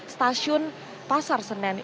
stasiun pasar senen